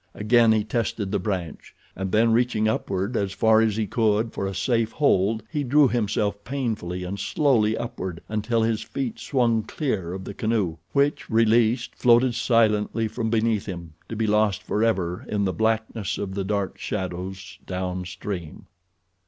Again he tested the branch, and then reaching upward as far as he could for a safe hold he drew himself painfully and slowly upward until his feet swung clear of the canoe, which, released, floated silently from beneath him to be lost forever in the blackness of the dark shadows down stream.